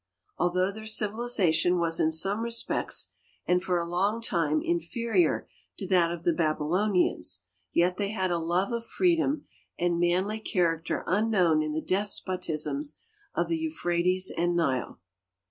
Although their civilization was in some respects and for a long time inferior to that of the Babylonians, yet they had a love of freedom and manly character unknown in the despotisms of the Eu phrates and Nile.